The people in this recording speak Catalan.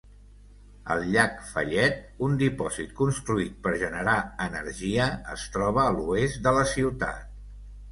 El llac Fayette, un dipòsit construït per generar energia, es troba a l'oest de la ciutat.